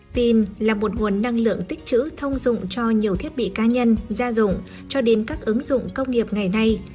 pin là một nguồn năng lượng tích chữ thông dụng cho nhiều thiết bị cá nhân gia dụng cho đến các ứng dụng công nghiệp ngày nay